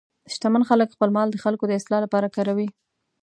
شتمن خلک خپل مال د خلکو د اصلاح لپاره کاروي.